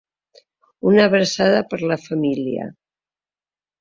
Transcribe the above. Una abraçada per la família.